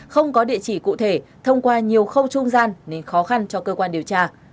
không có địa chỉ cụ thể thông qua nhiều khâu trung gian nên khó khăn cho cơ quan điều tra